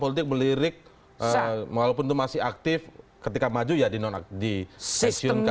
ini lebih madame